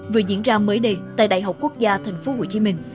vừa diễn ra mới đây tại đại học quốc gia tp hcm